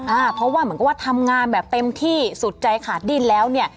อ่าเพราะว่าเหมือนกับว่าทำงานแบบเต็มที่สุดใจขาดดิ้นแล้วเนี่ย